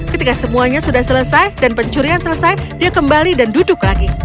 ketika semuanya sudah selesai dan pencurian selesai dia kembali dan duduk lagi